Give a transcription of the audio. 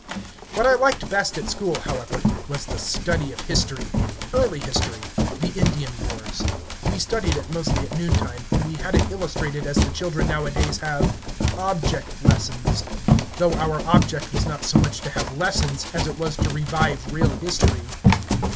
What I liked best at school, however, was the study of history, early history, the Indian wars. We studied it mostly at noontime, and we had it illustrated as the children nowadays have "object lessons," though our object was not so much to have lessons as it was to revive real history.